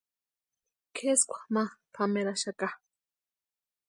Kʼeskwa ma pameraxaka.